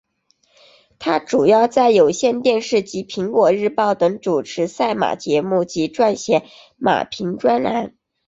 她主要在有线电视及苹果日报等主持赛马节目及撰写马评专栏。